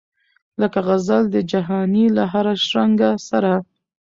لکه غزل د جهاني له هره شرنګه سره